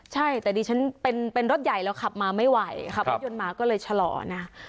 ใช่แต่ดิฉันเป็นรถใหญ่แล้วขับมาไม่ไหวขับรถยนต์มาก็เลยชะลอนะ